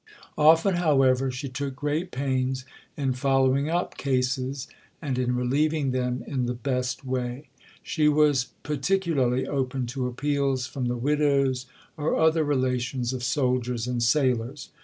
Often, however, she took great pains in following up "cases," and in relieving them in the best way. She was particularly open to appeals from the widows or other relations of soldiers and sailors.